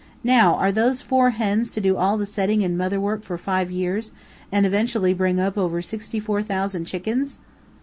Now, are those four hens to do all the setting and mother work for five years, and eventually bring up over sixty four thousand chickens?"